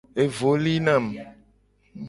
Evo li nam.